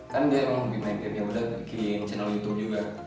kan dia mau main game yaudah bikin channel youtube juga